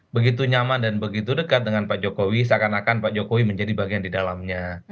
begitu nyaman dan begitu dekat dengan pak jokowi seakan akan pak jokowi menjadi bagian di dalamnya